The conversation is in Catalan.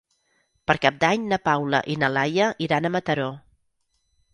Per Cap d'Any na Paula i na Laia iran a Mataró.